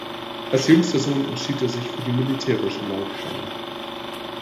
Als jüngster Sohn entschied er sich für die militärische Laufbahn.